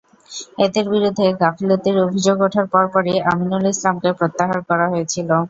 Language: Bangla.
এঁদের বিরুদ্ধে গাফিলতির অভিযোগ ওঠার পরপরই আমিনুল ইসলামকে প্রত্যাহার করা হয়েছিল।